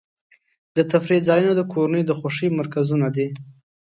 د تفریح ځایونه د کورنیو د خوښۍ مرکزونه دي.